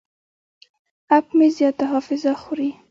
اپ مې زیاته حافظه خوري.